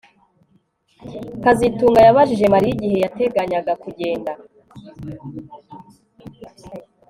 kazitunga yabajije Mariya igihe yateganyaga kugenda